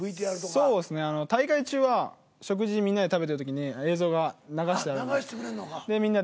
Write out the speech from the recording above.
そうですね大会中は食事みんなで食べてる時に映像が流してあるんで。